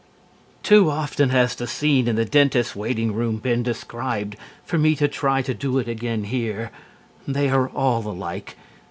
Too often has the scene in the dentist's waiting room been described for me to try to do it again here. They are all alike.